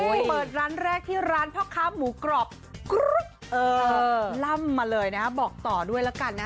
เปิดร้านแรกที่ร้านพ่อค้าหมูกรอบกรุ๊ปล่ำมาเลยนะบอกต่อด้วยแล้วกันนะ